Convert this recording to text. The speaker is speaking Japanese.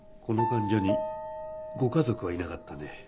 この患者にご家族はいなかったね。